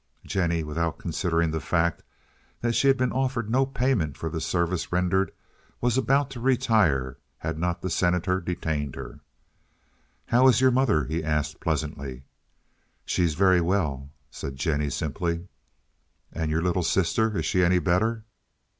Jennie, without considering the fact that she had been offered no payment for the service rendered, was about to retire, had not the Senator detained her. "How is your mother?" he asked pleasantly. "She's very well," said Jennie simply. "And your little sister? Is she any better?"